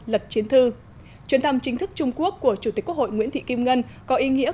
lật chiến thư chuyến thăm chính thức trung quốc của chủ tịch quốc hội nguyễn thị kim ngân có ý nghĩa